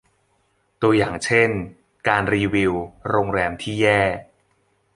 ตัวอย่างเช่น การรีวิวโรงแรมที่แย่